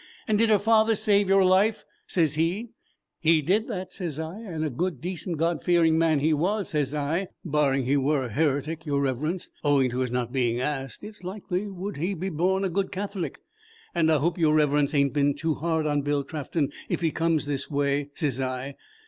'And did her father save your life?' sez he. 'He did that,' sez I, 'and a good, decent, God fearing man he were,' sez I, 'barring he were a heretic, your Reverence, owing to his not being asked, it's likely, would he be born a good Catholic, and I hope your Reverence ain't been too hard on Bill Trafton if he's come this way,' sez I.